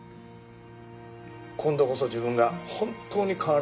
今度こそ自分が本当に変わらなければ。